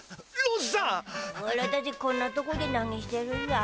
おらたちこんなとこで何してるだ？